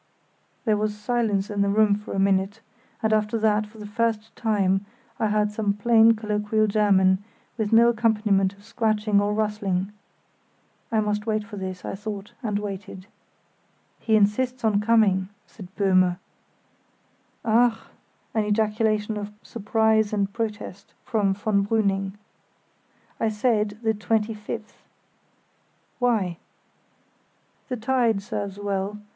There was silence in the room for a minute, and after that, for the first time, I heard some plain colloquial German, with no accompaniment of scratching or rustling. "I must wait for this," I thought, and waited. "He insists on coming," said Böhme. "Ach!" (an ejaculation of surprise and protest from von Brüning). "I said the 25th." "Why?" "The tide serves well.